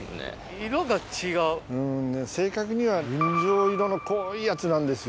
正確には群青色の濃いやつなんですよ。